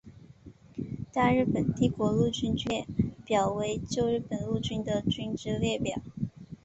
大日本帝国陆军军列表为旧日本陆军的军之列表。